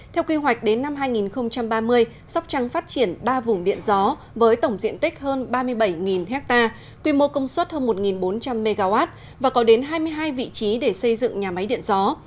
theo quy hoạch đến năm hai nghìn ba mươi sóc trăng phát triển ba vùng điện gió với tổng diện tích hơn ba mươi bảy ha quy mô công suất hơn một bốn trăm linh mw và có đến hai mươi hai vị trí để xây dựng nhà máy điện gió